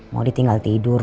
mau ditinggal tidur